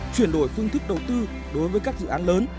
chuyển đổi phương thức đầu tư đối với các dự án lớn